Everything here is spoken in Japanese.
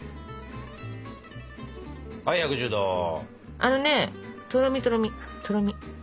あのねとろみとろみとろみ。